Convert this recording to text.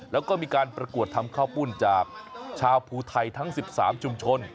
แล้วก็มีการประกวดทำข้าวปุ้นจากชาวภูไทยทั้ง๑๓ชุมชน